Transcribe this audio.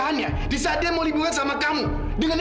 sampai jumpa di video selanjutnya